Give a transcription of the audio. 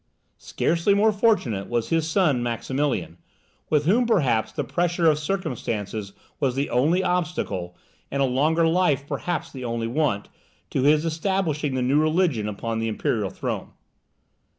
Scarcely more fortunate was his son Maximilian, with whom perhaps the pressure of circumstances was the only obstacle, and a longer life perhaps the only want, to his establishing the new religion upon the imperial throne.